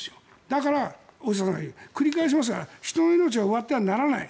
だから大下さん繰り返しますが人の命は奪ってはならない。